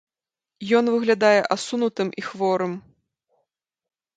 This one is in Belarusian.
Ён выглядае асунутым і хворым.